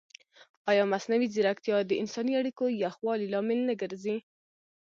ایا مصنوعي ځیرکتیا د انساني اړیکو یخوالي لامل نه ګرځي؟